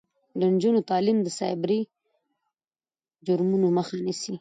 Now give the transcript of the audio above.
د نجونو تعلیم د سایبري جرمونو مخه نیسي.